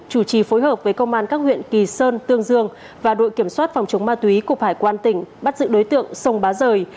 chủ trì phối hợp với công an các huyện kỳ sơn tương dương và đội kiểm soát phòng chống ma túy cục hải quan tỉnh bắt giữ đối tượng sông bá rời